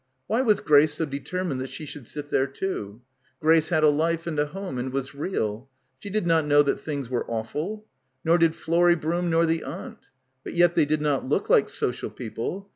Why was Grace so deter mined that she should sit there too? Grace had a life and a home and was real. She did not know that things were awful. Nor did Florrie Broom, nor the aunt. But yet they did not look like 'social' people.